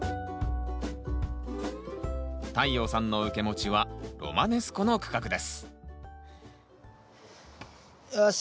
太陽さんの受け持ちはロマネスコの区画ですよし！